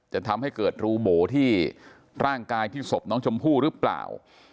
จะทำให้เกิดรูโบที่ร่างกายที่ศพน้องชมพู่หรือเปล่า